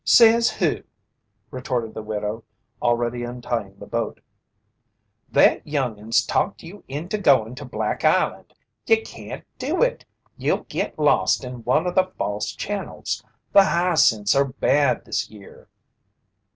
"Says who?" retorted the widow, already untying the boat. "That young 'un's talked you into goin' to Black Island! Ye can't do it. You'll git lost in one o' the false channels. The hyacinths are bad this year."